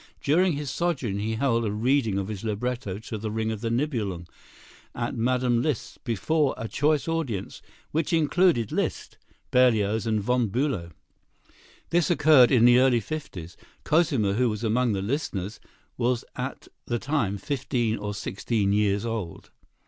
During his sojourn he held a reading of his libretto to "The Ring of the Nibelung" at Mme. Liszt's before a choice audience, which included Liszt, Berlioz and Von Bülow. This occurred in the early fifties. Cosima, who was among the listeners, was at the time fifteen or sixteen years old.